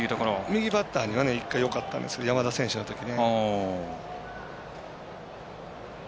右バッターには１回よかったんですけど山田選手のとき。